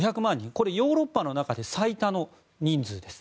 これはヨーロッパの中で最多の人数です。